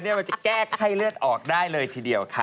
เราจะแก้ไขเลือดออกได้เลยทีเดียวค่ะ